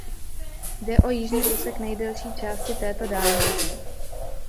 Jde o jižní úsek nejdelší části této dálnice.